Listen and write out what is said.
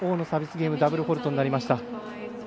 ゲームダブルフォールトになりました。